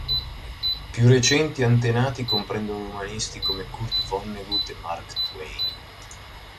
Più recenti antenati comprendono umanisti come Kurt Vonnegut e Mark Twain.